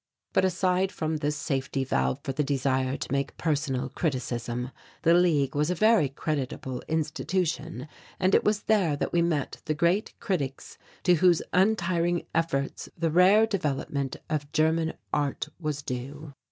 But aside from this safety valve for the desire to make personal criticism, the League was a very creditable institution and it was there that we met the great critics to whose untiring efforts the rare development of German art was due.